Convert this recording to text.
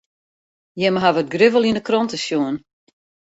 Jimme hawwe it grif al yn de krante sjoen.